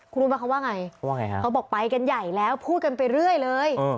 คุณรู้มั้ยเขาว่าไงเขาบอกไปกันใหญ่แล้วพูดกันไปเรื่อยเลย